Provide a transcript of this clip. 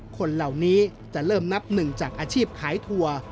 คนเหล่านี้จะเริ่มนับหนึ่งจากอาชีพขายถั่ว